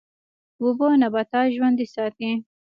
اوبه نباتات ژوندی ساتي.